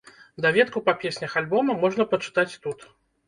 Даведку па песнях альбома можна пачытаць тут.